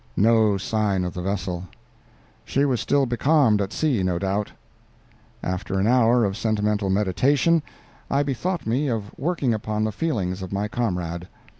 No sign of the vessel. She was still becalmed at sea no doubt. After an hour of sentimental meditation, I bethought me of working upon the feelings of my comrade.